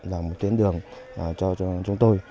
làm một tuyến đường cho chúng tôi